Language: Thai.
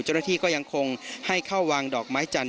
เจ้าหน้าที่ก็ยังคงให้เข้าวางดอกไม้จันท